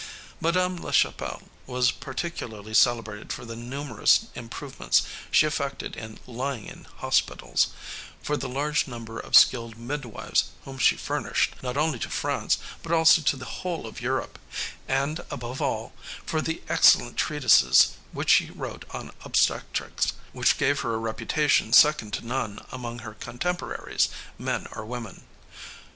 Mme. La Chapelle was particularly celebrated for the numerous improvements she effected in lying in hospitals, for the large number of skilled midwives whom she furnished, not only to France, but also to the whole of Europe, and, above all, for the excellent treatises which she wrote on obstetrics, which gave her a reputation second to none among her contemporaries, men or women.